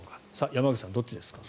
山口さん、どっちですか。